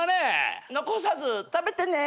「残さず食べてね」